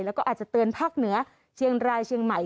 แล้วก็อาจจะเตือนภาคเหนือเชียงรายเชียงใหม่